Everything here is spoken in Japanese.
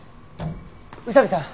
宇佐見さん